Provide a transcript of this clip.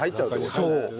そう。